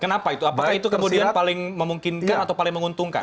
kenapa itu apakah itu kemudian paling memungkinkan atau paling menguntungkan